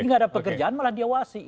gak ada yang malah diawasi